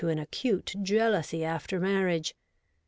IC3 an acute jealousy after marriage.